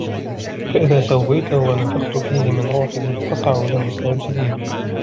فَإِذَا سَوَّيْتُهُ وَنَفَخْتُ فِيهِ مِنْ رُوحِي فَقَعُوا لَهُ سَاجِدِينَ